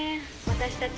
私たち